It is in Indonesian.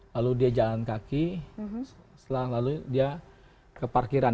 lalu dia jalan kaki lalu dia ke parkiran